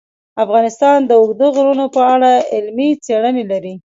افغانستان د اوږده غرونه په اړه علمي څېړنې لري.